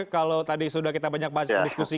kalau tadi sudah kita banyak bahas di sekolah